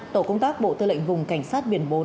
tổ công tác bộ tư lệnh vùng cảnh sát biển bốn